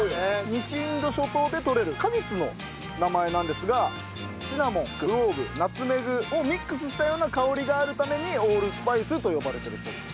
西インド諸島で採れる果実の名前なんですがシナモンクローブナツメグをミックスしたような香りがあるためにオールスパイスと呼ばれているそうです。